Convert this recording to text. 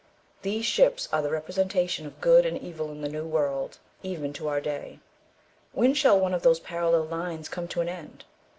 These ships are the representation of good and evil in the New World, even to our day. When shall one of those parallel lines come to an end?